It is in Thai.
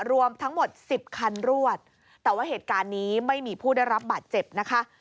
รวมทั้งหมด๑๐คันรวดแต่ว่าเหตุการณ์นี้ไม่มีผู้ได้รับบาดเจ็บนะคะ